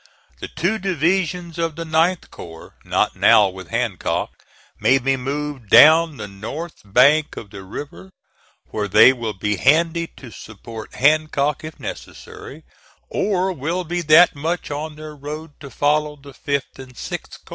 The two divisions of the 9th corps not now with Hancock, may be moved down the north bank of the river where they will be handy to support Hancock if necessary, or will be that much on their road to follow the 5th and 6th corps.